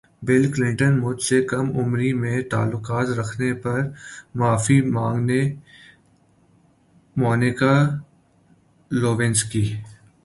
بل Clinton مجھ سے کم عمری میں تعلقات رکھنے پر معافی مانگیں مونیکا لیونسکی